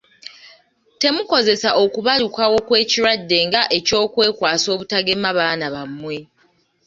Temukozesa okubalukawo kw'ekirwadde nga eky'okwekwasa obutagema baana bammwe.